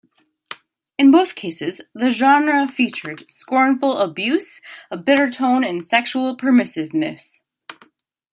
In both cases, the genre featured scornful abuse, a bitter tone and sexual permissiveness.